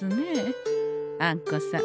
あんこさん